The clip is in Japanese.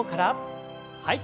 はい。